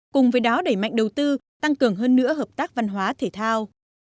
cùng với đó đẩy mạnh đầu tư tăng cường hơn nữa hợp tác văn hóa thể thao